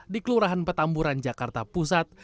di kelurahan petamburan jakarta pusat